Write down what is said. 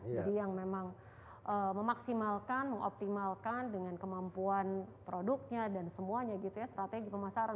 jadi yang memang memaksimalkan mengoptimalkan dengan kemampuan produknya dan semuanya gitu ya strategi pemasaran